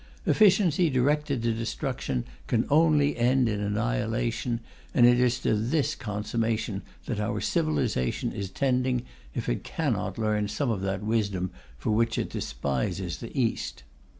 Efficiency directed to destruction can only end in annihilation, and it is to this consummation that our civilization is tending, if it cannot learn some of that wisdom for which it despises the East.